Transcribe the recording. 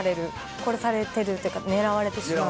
殺されてるっていうか狙われてしまう。